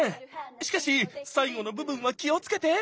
しかし最後の部分は気をつけて！